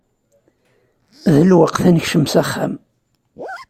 D lweqt ad nekcem s axxam.